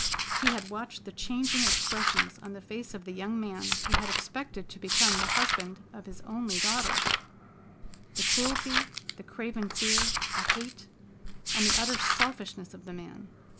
He had watched the changing expressions on the face of the young man who had expected to become the husband of his only daughter: the cruelty, the craven fear, the hate, and the utter selfishness of the man!